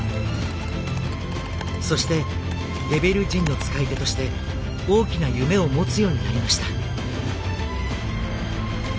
そしてデビル仁の使い手として大きな夢を持つようになりました。